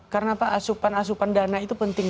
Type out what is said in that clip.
karena asupan asupan dana itu penting